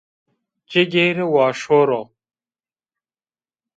Ci gêre wa şoro